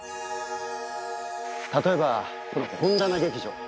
例えばこの本棚劇場。